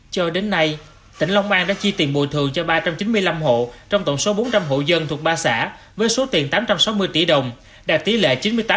cho đến nay tỉnh long an đã chi tiền bồi thường cho ba trăm chín mươi năm hộ trong tổng số bốn trăm linh hộ dân thuộc ba xã với số tiền tám trăm sáu mươi tỷ đồng đạt tỷ lệ chín mươi tám